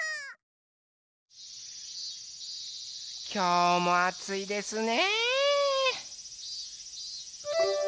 きょうもあついですね！